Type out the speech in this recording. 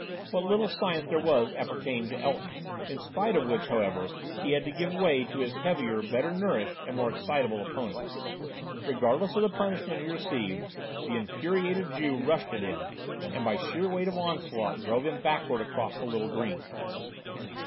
What little science there was appertamed to Elton, in spite of which, however, he had to give way to his heavier, better nourished and more excitable opponent. Regardless of the punishment he received, the infuriated Jew rushed at him and, by sheer weight of onslaught, drove him backward across the little green.